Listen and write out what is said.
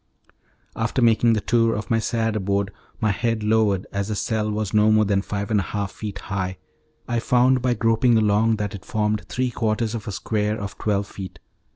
After making the tour of my sad abode, my head lowered, as the cell was not more than five and a half feet high, I found by groping along that it formed three quarters of a square of twelve feet.